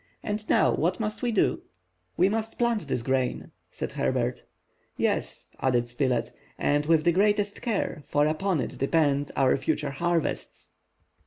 And now what must we do?" "We must plant this grain," said Herbert. "Yes," added Spilett, "and with the greatest care, for upon it depend our future harvests!"